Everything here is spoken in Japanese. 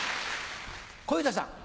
小遊三さん。